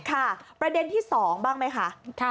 ประเด็นที่๒บ้างไหมคะ